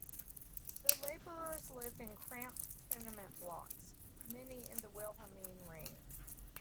The labourers lived in cramped tenement blocks, many in the Wilhelmine Ring.